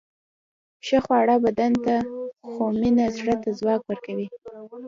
ښه خواړه بدن ته، خو مینه زړه ته ځواک ورکوي.